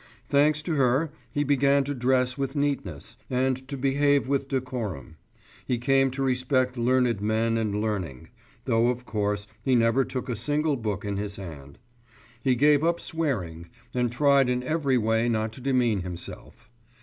Thanks to her, he began to dress with neatness, and to behave with decorum; he came to respect learned men and learning, though, of course, he never took a single book in his hand; he gave up swearing, and tried in every way not to demean himself.